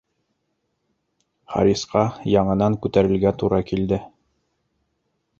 Харисҡа яңынан күтәрелергә тура килде